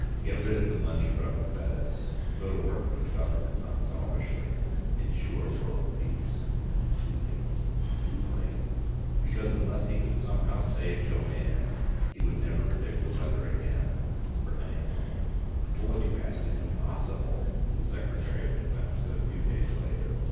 Get rid of the money grubbing Bettis. Go to work for the government unselfishly. Insure world peace. Too late ... too late ... Because unless he could somehow save Jo Anne, he would never predict the weather again for anyone. "But what you ask is impossible!" the Secretary of Defense said a few days later.